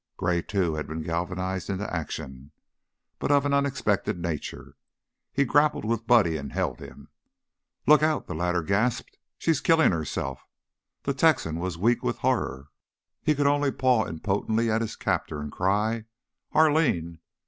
Gray, too, had been galvanized into action, but of an unexpected nature; he grappled with Buddy and held him. "Look out!" the latter gasped. "She's killin' herself." The Texan was weak with horror; he could only paw impotently at his captor and cry: "Arline!